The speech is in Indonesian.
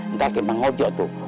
nggak kek emang ojo tuh